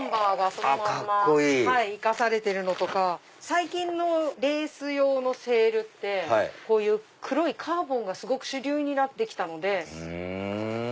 最近のレース用のセールってこういう黒いカーボンがすごく主流になって来たので。